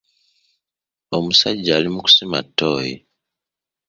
Omusajja ali mu kusima ttooyi.